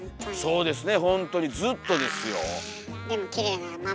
そうですね。